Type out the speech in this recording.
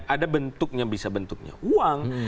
ada bentuknya bisa bentuknya uang